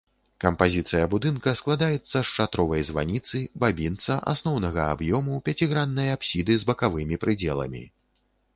Кампазіцыя будынка складаецца з шатровай званіцы, бабінца, асноўнага аб'ёму, пяціграннай апсіды з бакавымі прыдзеламі.